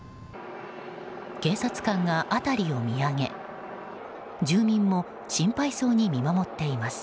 警察官が辺りを見上げ住民も心配そうに見守っています。